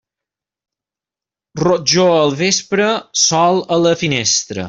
Rojor al vespre, sol a la finestra.